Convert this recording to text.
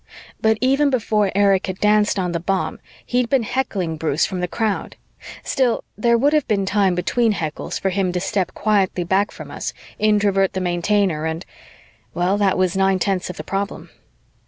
But even before Erich had danced on the bomb, he'd been heckling Bruce from the crowd. Still, there would have been time between heckles for him to step quietly back from us, Introvert the Maintainer and ... well, that was nine tenths of the problem.